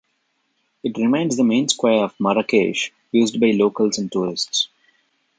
It remains the main square of Marrakesh, used by locals and tourists.